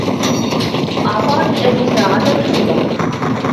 أعطاني أبي ساعةً حلوة.